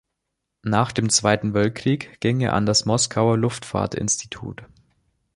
Nach dem Zweiten Weltkrieg ging er an das Moskauer Luftfahrtinstitut.